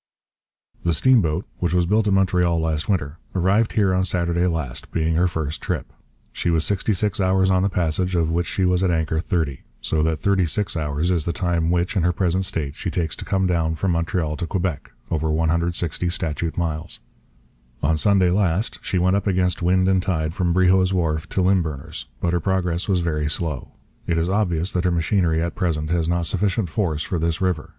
The Steam Boat, which was built at Montreal last winter, arrived here on Saturday last, being her first trip. She was 66 hours on the passage, of which she was at anchor 30. So that 36 hours is the time which, in her present state, she takes to come down from Montreal to Quebec [over 160 statute miles]. On Sunday last she went up against wind and tide from Brehault's wharf to Lymburner's; but her progress was very slow. It is obvious that her machinery, at present, has not sufficient force for this River.